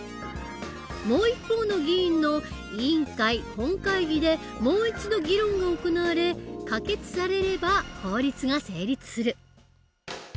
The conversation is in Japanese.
もう一方の議員の委員会本会議でもう一度議論が行われ可決されれば法律が成立する。